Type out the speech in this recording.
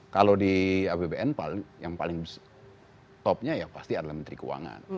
kalau di apbn yang paling topnya ya pasti adalah menteri keuangan